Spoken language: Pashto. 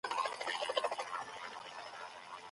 مږور ياني د زوی ښځه